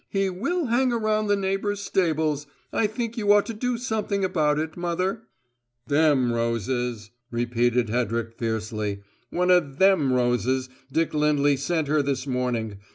"He will hang around the neighbours' stables. I think you ought to do something about it, mother." "Them roses!" repeated Hedrick fiercely. "One o' them roses Dick Lindley sent her this morning.